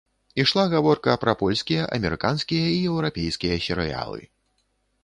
Ішла гаворка пра польскія, амерыканскія і еўрапейскія серыялы.